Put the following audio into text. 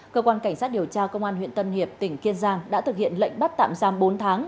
cơ quan cảnh sát điều tra công an huyện tân hiệp tỉnh kiên giang đã thực hiện lệnh bắt tạm giam bốn tháng